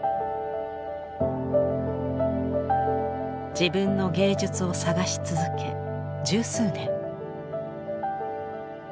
自分の芸術を探し続け十数年。